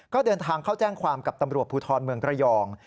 ก็เดินทางเข้าแจ้งความกับตำรวจภูทรเมืองระยอง